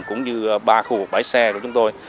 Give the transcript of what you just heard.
cũng như ba khu vực bãi xe của chúng tôi